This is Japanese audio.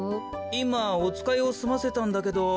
いまおつかいをすませたんだけど。